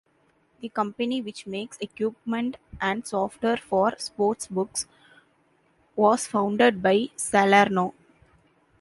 The company, which makes equipment and software for sportsbooks, was founded by Salerno.